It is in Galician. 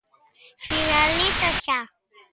Finalizo xa.